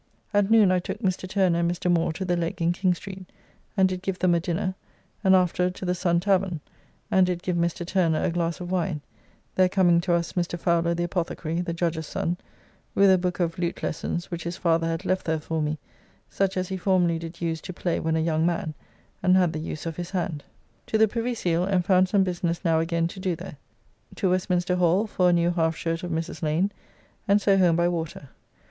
At noon I took Mr. Turner and Mr. Moore to the Leg in King Street, and did give them a dinner, and afterward to the Sun Tavern, and did give Mr. Turner a glass of wine, there coming to us Mr. Fowler the apothecary (the judge's son) with a book of lute lessons which his father had left there for me, such as he formerly did use to play when a young man, and had the use of his hand. To the Privy Seal, and found some business now again to do there. To Westminster Hall for a new half shirt of Mrs. Lane, and so home by water.